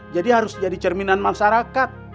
jadi harus jadi cerminan masyarakat